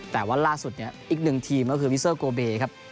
แต่ว่าล่าสุดเนี่ยอีกหนึ่งทีมก็คือวิเซอร์โกเบครับ